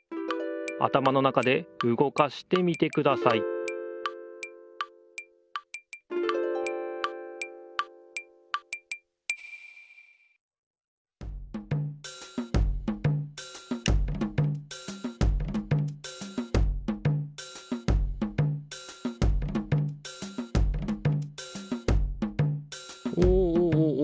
あたまの中でうごかしてみてくださいおおおお。